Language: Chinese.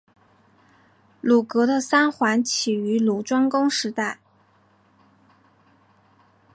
鲁国的三桓起于鲁庄公时代。